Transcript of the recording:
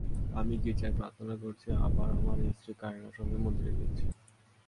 আমি গির্জায় প্রার্থনা করেছি, আবার আমার স্ত্রী কারিনার সঙ্গে মন্দিরে গিয়েছি।